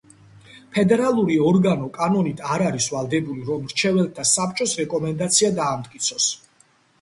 ფედერალური ორგანო კანონით არ არის ვალდებული, რომ მრჩეველთა საბჭოს რეკომენდაცია დაამტკიცოს.